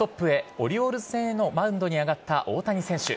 オリオールズ戦へのマウンドに上がった大谷選手。